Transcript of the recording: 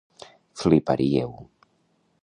Fliparíeu.